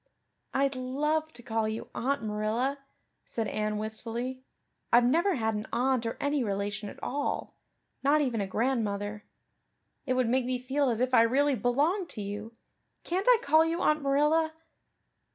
"I'd love to call you Aunt Marilla," said Anne wistfully. "I've never had an aunt or any relation at all not even a grandmother. It would make me feel as if I really belonged to you. Can't I call you Aunt Marilla?"